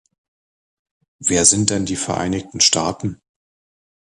Wer sind denn die Vereinigten Staaten?